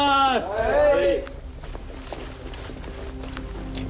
はい！